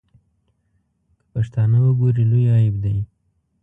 که پښتانه وګوري لوی عیب دی.